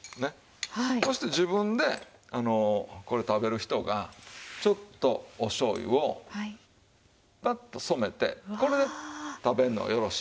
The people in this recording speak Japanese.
そして自分でこれ食べる人がちょっとお醤油をパッと染めてこれで食べるのがよろしいな。